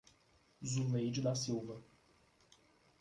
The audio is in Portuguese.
Zuleide da Silva